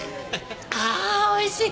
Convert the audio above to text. あおいしい！